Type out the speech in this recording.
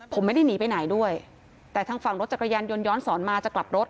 ผมไม่ได้หนีไปไหนด้วยแต่ทางฝั่งรถจักรยานยนต์ย้อนสอนมาจะกลับรถ